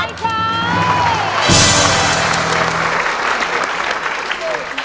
ไม่ใช้ครับไม่ใช้ครับ